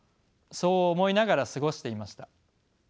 そう思いながら過ごしていました。